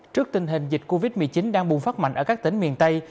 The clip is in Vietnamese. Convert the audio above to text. trước tình hình dịch covid một mươi chín đang bùng phát mạnh ở các tỉnh miền tây